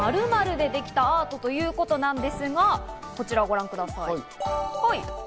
○○でできたアートということなんですが、こちらをご覧ください。